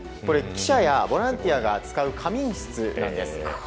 これは記者はボランティアが使う仮眠室なんです。